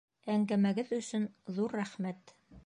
— Әңгәмәгеҙ өсөн ҙур рәхмәт!